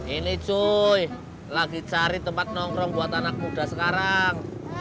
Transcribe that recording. ini joy lagi cari tempat nongkrong buat anak muda sekarang